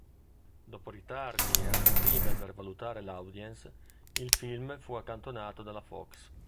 Dopo ritardi e anteprime per valutare l'audience, il film fu accantonato dalla Fox.